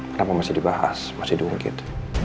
kenapa masih dibahas masih diungkit